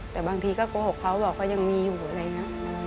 แต่บางทีก็โกหกเขาบอกว่ายังมีอยู่เลยนะ